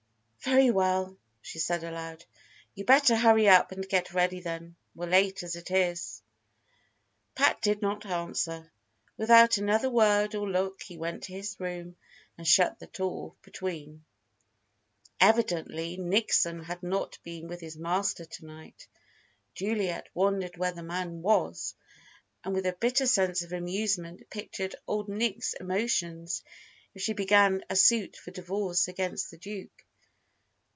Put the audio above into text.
"Very well," she said aloud. "You better hurry up and get ready, then. We're late as it is." Pat did not answer. Without another word or look he went to his room and shut the door between. Evidently Nickson had not been with his master to night. Juliet wondered where the man was, and with a bitter sense of amusement pictured "Old Nick's" emotions if she began a suit for divorce against the Duke.